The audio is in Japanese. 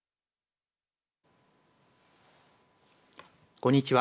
こんにちは。